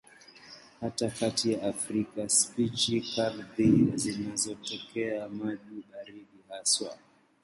Na hata katika Afrika spishi kadhaa zinatokea maji baridi hasa.